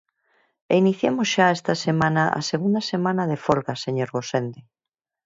E iniciamos xa esta semana a segunda semana de folga, señor Gosende.